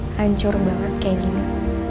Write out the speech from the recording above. hancur banget kayak gini